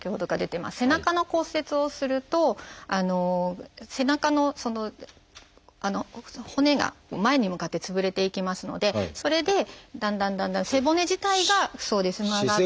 背中の骨折をすると背中の骨が前に向かってつぶれていきますのでそれでだんだんだんだん背骨自体が曲がってしまって。